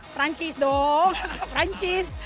perancis dong perancis